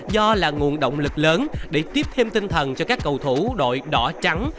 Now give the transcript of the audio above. do là nguồn động lực lớn để tiếp thêm tinh thần cho các cầu thủ đội đỏ trắng